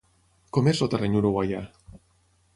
Com és el terreny uruguaià?